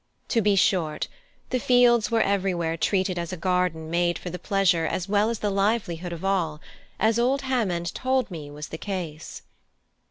To be short, the fields were everywhere treated as a garden made for the pleasure as well as the livelihood of all, as old Hammond told me was the case.